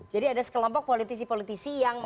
jadi ada sekelompok politisi politisi yang melakukan